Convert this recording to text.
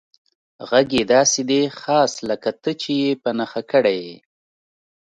غږ یې داسې دی، خاص لکه ته چې یې په نښه کړی یې.